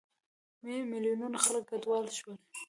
میلیونونه خلک کډوال شول.